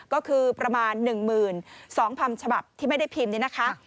ก็คือประมาณ๑หมื่น๒พรรมฉบับที่ไม่ได้พิมพ์นี้นะคะ